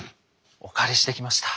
お借りしてきました。